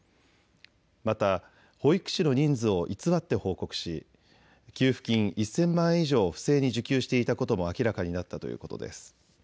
また保育士の人数を偽って報告し給付金１０００万円以上を不正に受給していたことも明らかになったということです。